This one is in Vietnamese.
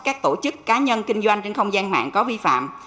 các tổ chức cá nhân kinh doanh trên không gian mạng có vi phạm